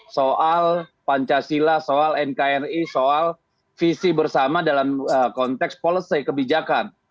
soal pancasila soal nkri soal visi bersama dalam konteks policy kebijakan